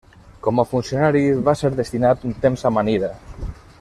Com a funcionari va ser destinat un temps a Manila.